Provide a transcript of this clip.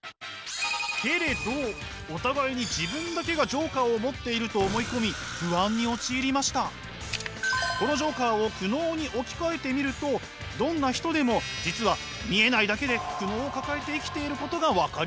けれどお互いに自分だけがこのジョーカーを苦悩に置き換えてみるとどんな人でも実は見えないだけで苦悩を抱えて生きていることが分かります。